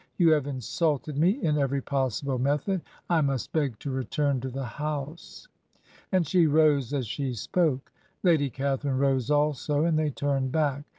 ... You have insulted me in every possible method. I must beg to return to the house.' And she rose as she spoke. Lady Catharine rose also and they turned back.